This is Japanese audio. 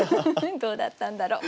どうだったんだろう？